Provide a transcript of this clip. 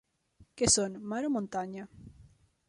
Què són, mar o muntanya?